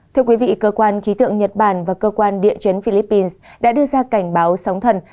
thưa quý vị cơ quan khí tượng nhật bản và cơ quan địa chấn philippines đã đưa ra cảnh báo sóng thần